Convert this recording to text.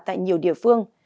tại nhiều địa phương